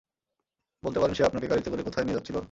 বলতে পারেন সে আপনাকে গাড়িতে করে কোথায় নিয়ে যাচ্ছিলো?